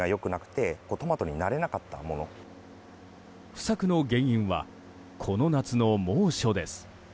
不作の原因はこの夏の猛暑です。